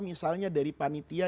misalnya dari panitia